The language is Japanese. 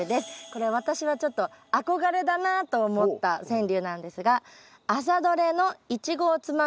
これ私はちょっと憧れだなと思った川柳なんですが。